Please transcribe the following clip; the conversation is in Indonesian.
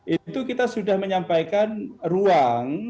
itu kita sudah menyampaikan ruang